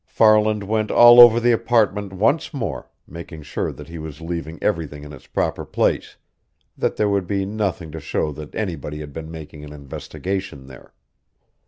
Farland went all over the apartment once more, making sure that he was leaving everything in its proper place, that there would be nothing to show that anybody had been making an investigation there.